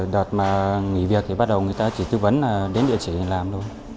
đợt mà nghỉ việc thì bắt đầu người ta chỉ tư vấn là đến địa chỉ để làm thôi